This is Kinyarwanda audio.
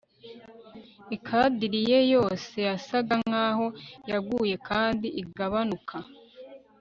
Ikadiri ye yose yasaga nkaho yaguye kandi igabanuka